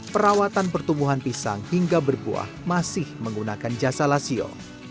perawatan pertumbuhan pisang hingga berbuah masih menggunakan jasa lasio